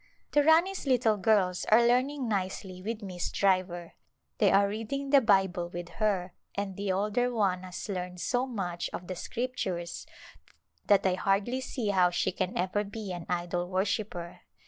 The Rani's little girls are learning nicely with Miss Driver. They are reading the Bible with her and the older one has learned so much of the Scriptures that I hardly see how she can ever be an idol worshipper.